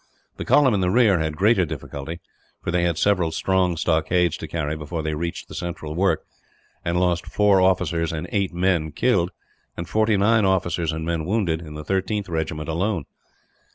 The column in the rear had greater difficulty for they had several strong stockades to carry before they reached the central work and lost four officers and eight men killed, and forty nine officers and men wounded, in the 13th Regiment alone.